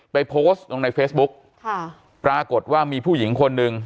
ไปโพสต์ตรงในเฟซบุ๊กปรากฏว่ามีผู้หญิงคนนึง